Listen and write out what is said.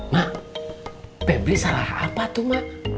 mak fabry salah apa tuh ma